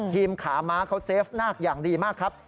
ขาม้าเขาเซฟนาคอย่างดีมากครับ